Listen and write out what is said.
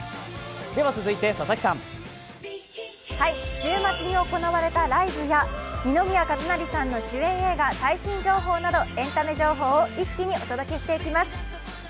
では、続いて佐々木さん。週末に行われたライブや二宮和也さん主演の最新映画の情報などエンタメ情報を一気にお届けしていきます。